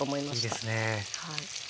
いいですね。